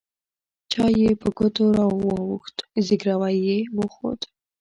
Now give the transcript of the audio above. چای يې په ګوتو واوښت زګيروی يې وخوت.